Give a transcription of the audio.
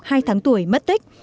hai tháng tuổi mất tích